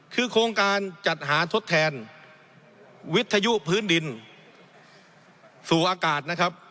คือโครงการจัดหาทดแทนวิทยุพื้นดินสู่อากาศนะครับ